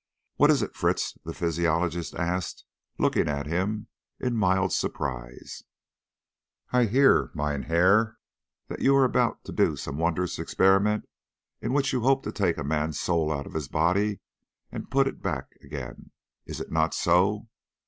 "What is it, then, Fritz?" the physiologist asked, looking at him in mild surprise. "I hear, mein herr, that you are about to do some wondrous experiment in which you hope to take a man's soul out of his body, and then to put it back again. Is it not so?"